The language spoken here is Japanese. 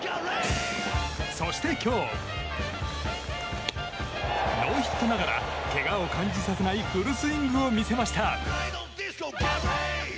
そして今日、ノーヒットながらけがを感じさせないフルスイングを見せました。